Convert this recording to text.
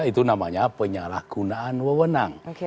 itu namanya penyalahgunaan wewenang